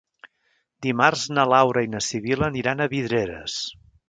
Dimarts na Laura i na Sibil·la aniran a Vidreres.